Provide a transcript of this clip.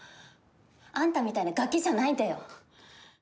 あんたみたいなガキじゃないんだよ。